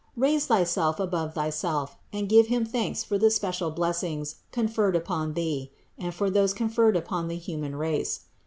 Raise thyself above thyself and give Him thanks for the special bless ings conferred upon thee and for those conferred upon the human race.